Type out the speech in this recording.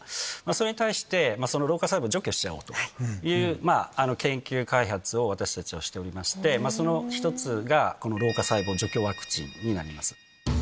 それに対して、その老化細胞を除去しちゃおうという、研究開発を私たちはしておりまして、その１つが、この老化細胞除去ワクチンになります。